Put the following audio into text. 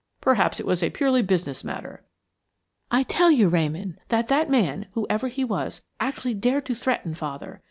Perhaps it was a purely business matter." "I tell you, Ramon, that that man, whoever he was, actually dared to threaten father.